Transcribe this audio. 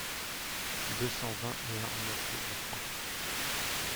deux cent vingt et un montée du Coin